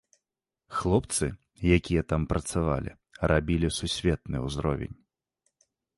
Хлопцы, якія там працавалі, рабілі сусветны ўзровень.